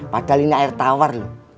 padahal ini air tawar